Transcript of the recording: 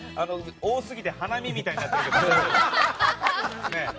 多すぎて花見みたいになってるけど。